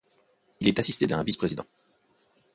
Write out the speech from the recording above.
Il est assisté d'un vice-président.